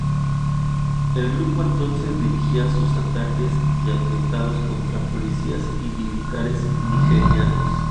El grupo entonces dirigía sus ataques y atentados contra policías y militares nigerianos.